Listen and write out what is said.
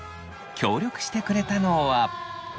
協力してくれたのは。